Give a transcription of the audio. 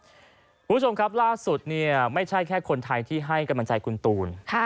คุณผู้ชมครับล่าสุดเนี่ยไม่ใช่แค่คนไทยที่ให้กำลังใจคุณตูน